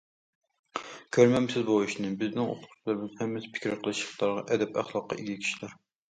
كۆرمەمسىز بۇ ئىشنى، بىزنىڭ ئوقۇتقۇچىلىرىمىز ھەممىسى پىكىر قىلىش ئىقتىدارىغا، ئەدەپ- ئەخلاققا ئىگە كىشىلەر.